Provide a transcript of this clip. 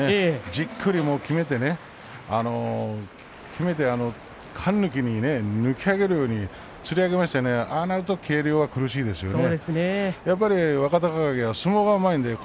じっくり攻めてかんぬきに抜き上げるようにつり上げましたねああなると軽量は苦しいですね。